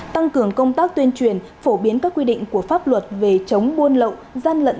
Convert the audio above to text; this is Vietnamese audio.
tăng cường công tác tuyên truyền phổ biến các quy định của pháp luật về chống buôn lậu